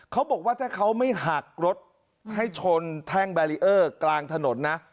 เขาบอกว่าถ้าเขาไม่หักรถให้ชนแท่งแบรีเออร์กลางถนนนะ